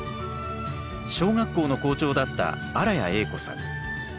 小学校の校長だった荒谷栄子さん。